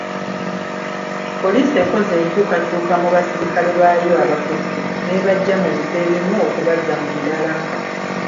Poliisi ekoze enkyukakyuka mu basirikale baayo abakessi n'ebajja mu bifo ebimu okubazza mu birala.